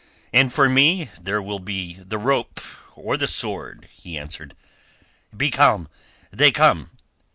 "And for me there will be the rope or the sword," he answered. "Be calm! They come!"